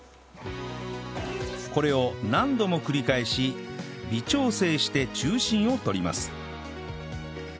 これを何度も繰り返し微調整して中心をとります